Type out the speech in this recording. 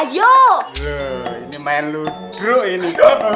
loh ini main ludruk ini